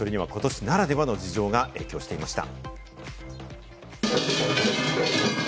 それにはことしならではの事情が影響していました。